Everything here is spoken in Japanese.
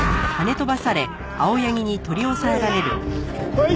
はい。